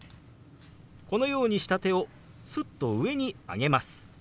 このようにした手をすっと上に上げます。